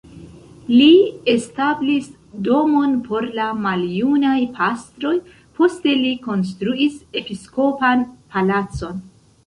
Li establis domon por la maljunaj pastroj, poste li konstruis episkopan palacon.